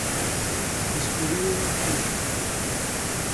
Descubrírona hoxe.